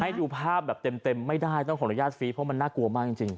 ให้ดูภาพแบบเต็มไม่ได้ต้องขออนุญาตฟีเพราะมันน่ากลัวมากจริง